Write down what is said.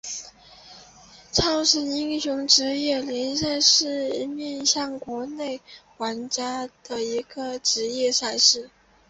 超神英雄职业联赛是面向国内玩家的首个职业赛事。